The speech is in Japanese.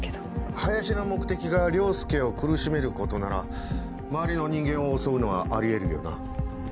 林の目的が凌介を苦しめることなら周りの人間を襲うのはあり得るよな？